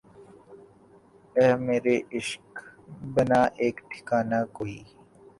اے مرے عشق بنا ایک ٹھکانہ کوئی